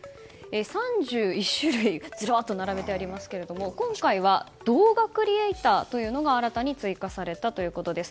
３１種類ずらっと並べてありますが今回は動画クリエーターというのが新たに追加されたということです。